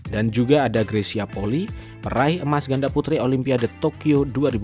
dan juga ada grecia poli meraih emas ganda putri olimpiade tokyo dua ribu dua puluh